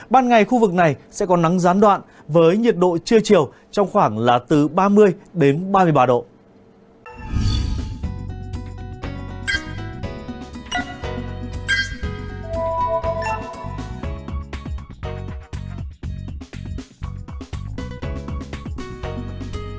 ban ngày khu vực này sẽ có nắng gián đoạn với nhiệt độ trưa chiều trong khoảng là từ ba mươi đến ba mươi ba độ